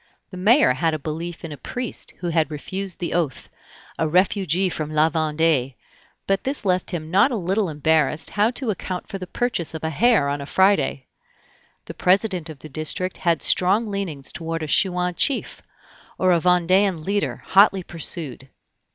The mayor had a belief in a priest who had refused the oath, a refugee from La Vendée; but this left him not a little embarrassed how to account for the purchase of a hare on a Friday. The president of the district had strong leanings toward a Chouan chief, or a Vendean leader hotly pursued.